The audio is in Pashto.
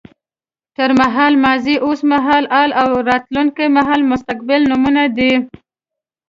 تېر مهال ماضي، اوس مهال حال او راتلونکی مهال مستقبل نومونه دي.